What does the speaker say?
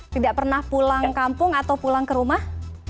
tidak pernah pulang kampung atau pulang ke rumah